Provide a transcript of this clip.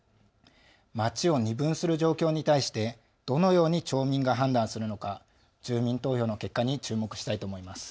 町を二分する状況に対してどのように町民が判断するのか住民投票の結果に注目したいと思います。